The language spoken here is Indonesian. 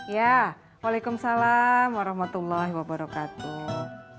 waalaikumsalam warahmatullahi wabarakatuh